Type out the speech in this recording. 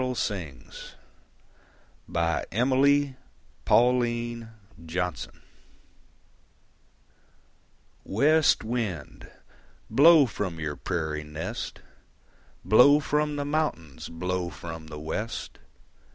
THE SONG MY PADDLE SINGS West wind, blow from your prairie nest, Blow from the mountains, blow from the west.